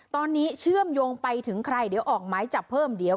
ตอนนี้เชื่อมโยงไปถึงใครเดี๋ยวออกหมายจับเพิ่มเดี๋ยว